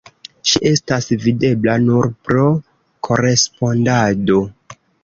Ŝi estas videbla nur pro korespondado.